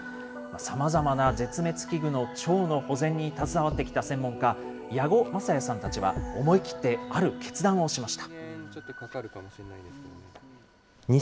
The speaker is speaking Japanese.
さまざまな絶滅危惧のチョウの保全に携わってきた専門家、矢後勝也さんたちは、思い切ってある決断をしました。